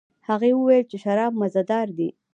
هغې وویل چې شراب مزه دار دي.